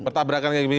pertabrakan kayak gini